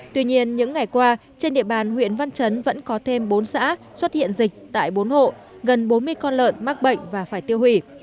tuy nhiên những ngày qua trên địa bàn huyện văn chấn vẫn có thêm bốn xã xuất hiện dịch tại bốn hộ gần bốn mươi con lợn mắc bệnh và phải tiêu hủy